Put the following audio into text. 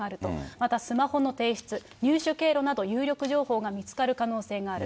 またスマホの提出、入手経路など有力情報が見つかる可能性がある。